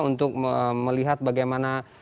untuk melihat bagaimana